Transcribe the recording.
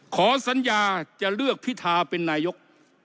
ขอสัญญาจะเลือกพิธาเป็นนายก